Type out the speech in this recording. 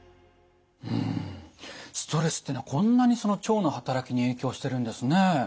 うんストレスっていうのはこんなに腸の働きに影響してるんですね。